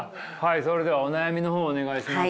それではお悩みの方をお願いします。